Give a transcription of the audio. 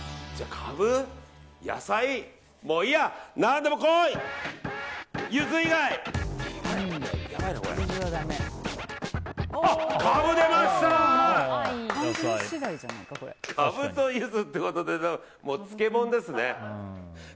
カブとユズってことで漬物ですね。